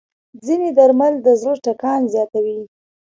ځینې درمل د زړه ټکان زیاتوي.